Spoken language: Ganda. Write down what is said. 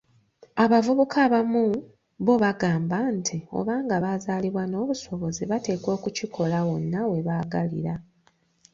Abavubuka abamu bo bagamba nti, obanga bazaalibwa n'obusobozi, bateekwa okukikola wonna we baagalira.